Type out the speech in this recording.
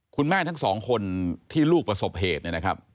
คุณแม่ทั้งสองคนที่ลูกประสบเหตุนะครับ